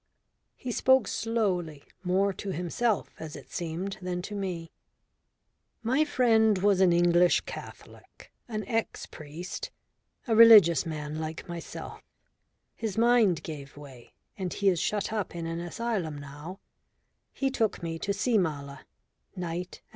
He spoke slowly, more to himself, as it seemed, than to me. "My friend was an English Catholic, an ex priest, a religious man like myself. His mind gave way, and he is shut up in an asylum now. He took me to see Mala.